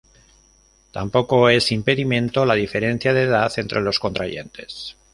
Tampoco es impedimento la diferencia de edad entre los contrayentes.